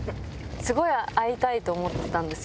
すごい会いたいと思ってたんですよ。